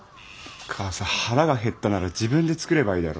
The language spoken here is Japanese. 母さん腹が減ったなら自分で作ればいいだろ。